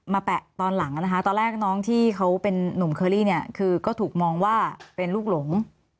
แปะตอนหลังนะคะตอนแรกน้องที่เขาเป็นนุ่มเคอรี่เนี่ยคือก็ถูกมองว่าเป็นลูกหลง